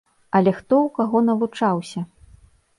Але хто ў каго навучаўся?